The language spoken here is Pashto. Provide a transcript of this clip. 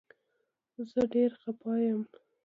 زه ډير خفه يم